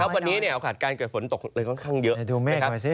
วันนี้โอกาสการเกิดฝนตกเลยค่อนข้างเยอะ